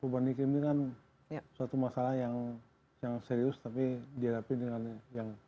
perubahan iklim ini kan suatu masalah yang serius tapi dihadapi dengan yang